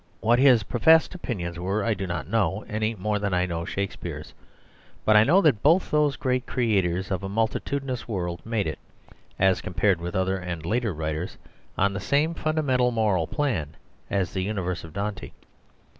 What his pro fessed opinions were I do not know, any more than I know Shakespeare's ; but I know that both those great creators of a multitu dinous world made it, as compared with other and later writers, on the same fundamental moral plan as the universe of Dante.